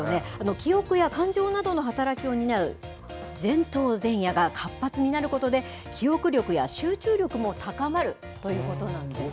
記憶や感情などの働きを担う前頭前野が活発になることで、記憶力や集中力も高まるということなんですね。